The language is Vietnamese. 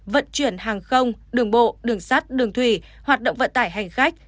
vận chuyển hàng không đường bộ đường sắt đường thủy hoạt động vận tải hành khách